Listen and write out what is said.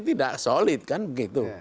tidak solid kan begitu